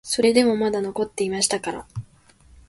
それでもまだ残っていましたから、